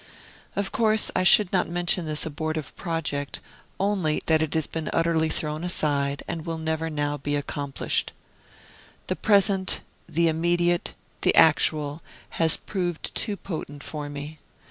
Of course, I should not mention this abortive project, only that it has been utterly thrown aside and will never now be accomplished. The Present, the Immediate, the Actual, has proved too potent for me.